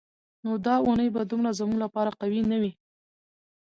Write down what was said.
نو دا اونۍ به دومره زموږ لپاره قوي نه وي.